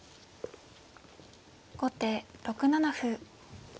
後手６七歩。